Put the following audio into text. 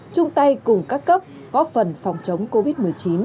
trong tay cùng các cấp có phần phòng chống covid một mươi chín